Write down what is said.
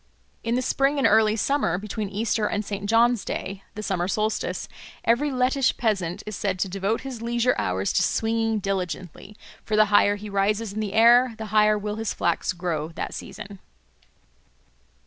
In the spring and early summer, between Easter and St. John's Day (the summer solstice), every Lettish peasant is said to devote his leisure hours to swinging diligently; for the higher he rises in the air the higher will his flax grow that season.